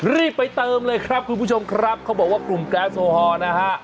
รีบไปเติมเลยครับคุณผู้ชมครับเขาบอกว่ากลุ่มแก๊สโอฮอล์นะฮะ